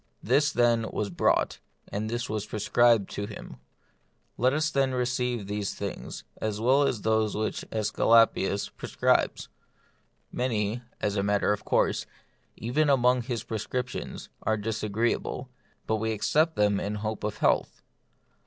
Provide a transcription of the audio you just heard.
This, then, was brought, and this was prescribed to him. Let us, then, receive these things, as well as those which ^Esculapius pre scribes. Many, as a matter of course, even among his prescriptions, are disagreeable, but we accept them in hope of health.